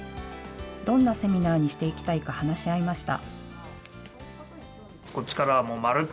どんなセミナーにしていきたいか話し合いました。